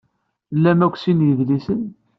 Tlam akk sin n yidlisen.